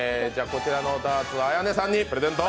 こちらのダーツは綾音さんにプレゼント。